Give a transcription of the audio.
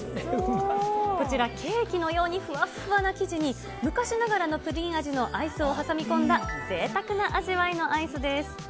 こちら、ケーキのようにふわふわな生地に、昔ながらのプリン味のアイスを挟み込んだ、ぜいたくな味わいのアイスです。